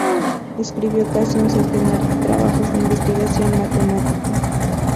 Escribió casi un centenar de trabajos de investigación matemática.